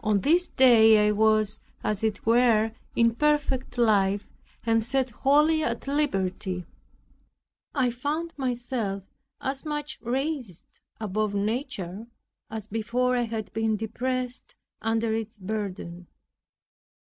On this day I was, as it were, in perfect life, and set wholly at liberty. I found myself as much raised above nature, as before I had been depressed under its burden.